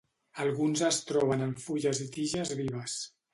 Alguns es troben en fulles i tiges vives.